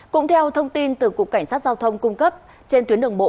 cũng theo thông tin từ cục cảnh sát giao thông cung cấp trên tuyến đường bộ